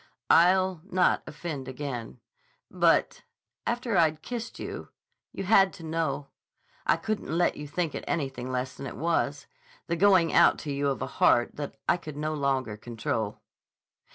"I'll not offend again. But—after I'd kissed you—you had to know. I couldn't let you think it anything less than it was, the going out to you of a heart that I could no longer control."